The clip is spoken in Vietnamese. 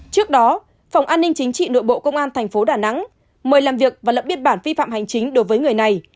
trước đó phòng an ninh chính trị nội bộ công an tp đà nẵng mời làm việc và lập biên bản vi phạm hành chính đối với người này